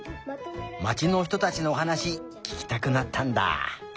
まちのひとたちのおはなしききたくなったんだ。